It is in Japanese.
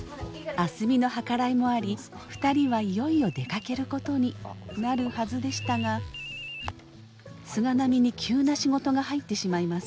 明日美の計らいもあり２人はいよいよ出かけることになるはずでしたが菅波に急な仕事が入ってしまいます。